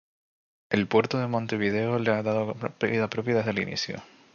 El Puerto de Montevideo le ha dado vida propia desde el inicio.